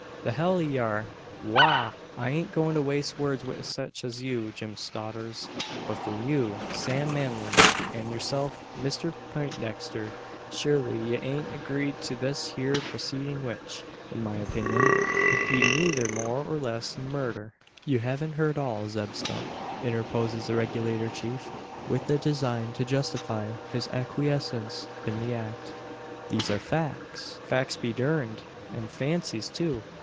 "The hell ye air! Wagh! I aint goin' to waste words wi' sech as you, Jim Stoddars. But for you, Sam Manly, an yerself, Mister Peintdexter shurly ye aint agreed to this hyur proceeding which, in my opeenyun, 'ud be neyther more nor less 'n murder?" "You haven't heard all, Zeb Stump," interposes the Regulator Chief, with the design to justify his acquiescence in the act. "There are facts !" "Facts be durned! An' fancies, too!